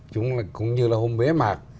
cũng như là hôm bế mạc